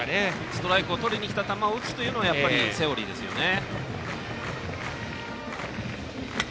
ストライクをとりにきた球を打つのがセオリーですね。